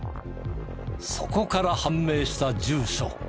そこから判明した住所。